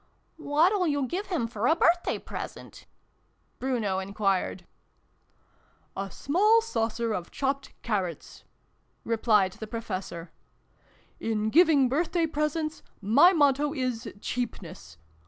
"What'll you give him for a birthday pre sent ?" Bruno enquired. " A small saucer of chopped carrots," replied the Professor. "In giving birthday presents, my motto is cheapness